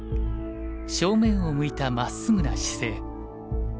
正面を向いたまっすぐな姿勢。